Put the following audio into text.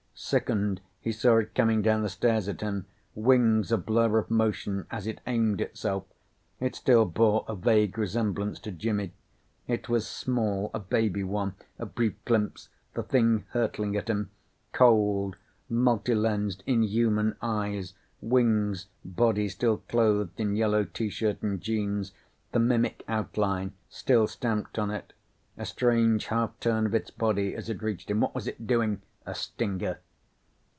Sickened, he saw it coming down the stairs at him, wings a blur of motion as it aimed itself. It still bore a vague resemblance to Jimmy. It was small, a baby one. A brief glimpse the thing hurtling at him, cold, multi lensed inhuman eyes. Wings, body still clothed in yellow T shirt and jeans, the mimic outline still stamped on it. A strange half turn of its body as it reached him. What was it doing? A stinger.